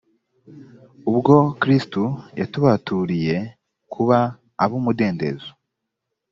ubwo kristo yatubaturiye kuba ab umudendezo